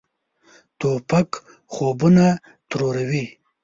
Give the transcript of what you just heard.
توپک خوبونه تروروي.